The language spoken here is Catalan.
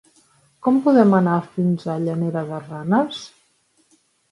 Com podem anar fins a Llanera de Ranes?